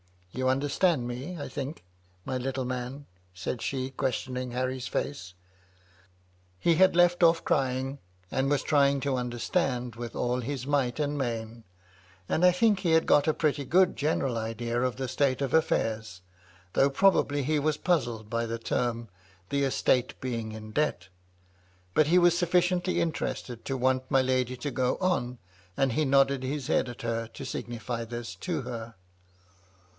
You understand me, I think, my little man ?" said she, questioning Harry's face. He had left o£P crying, and was trying to understand, with all his might and main ; and I think he had got a pretty good general idea of the state of affairs; though probably he was puzzled by the term "the estate being in debt" But he was sufficiently in terested to want my lady to go on ; and he nodded his head at her, to signify this to her.